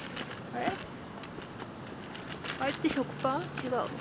違う？